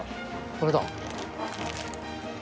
これだ。